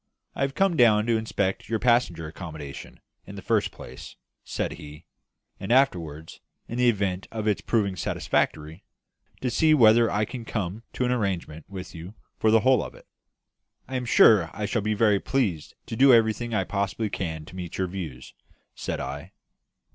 "I have come down to inspect your passenger accommodation, in the first place," said he; "and afterwards in the event of its proving satisfactory to see whether I can come to an arrangement with you for the whole of it." "I am sure I shall be very pleased to do everything I possibly can to meet your views," said I.